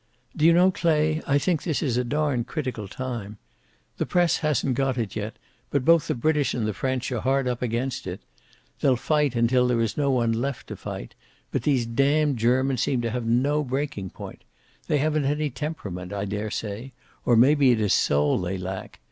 "Do you know, Clay, I think this is a darned critical time. The press, hasn't got it yet, but both the British and the French are hard up against it. They'll fight until there is no one left to fight, but these damned Germans seem to have no breaking point. They haven't any temperament, I daresay, or maybe it is soul they lack.